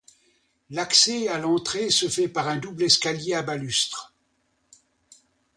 L'accès à l'entrée se fait par un double escalier à balustres.